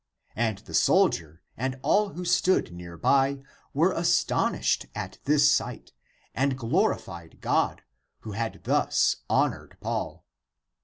And the soldier, and all who stood near by, were astonished at this sight and glorified God, who had thus honored Paul.